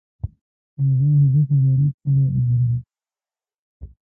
په یو حدیث مبارک کې له ابوهریره نه روایت دی.